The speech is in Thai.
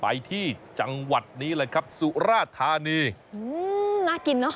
ไปที่จังหวัดนี้เลยครับสุราธานีอืมน่ากินเนอะ